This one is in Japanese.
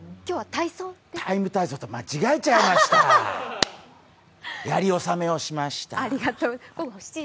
「ＴＩＭＥ，体操」と間違えちゃいました。